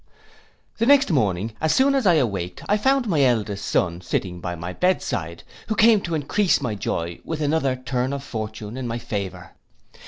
The next morning as soon as I awaked I found my eldest son sitting by my bedside, who came to encrease my joy with another turn of fortune in my favour.